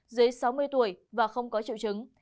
dưới sáu mươi tuổi và không có triệu chứng